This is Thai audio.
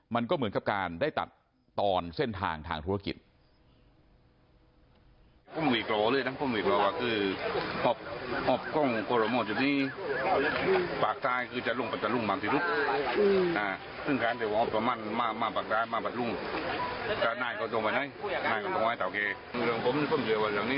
มันก็เหมือนกับการได้ตัดตอนเส้นทางทางธุรกิจ